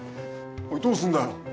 おいどうすんだよ？